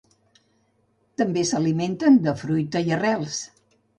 També s'alimenten de fruita i arrels.